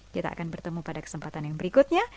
kita akan bertemu pada kesempatan yang berikutnya